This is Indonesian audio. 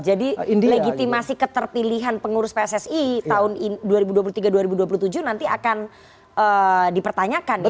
legitimasi keterpilihan pengurus pssi tahun dua ribu dua puluh tiga dua ribu dua puluh tujuh nanti akan dipertanyakan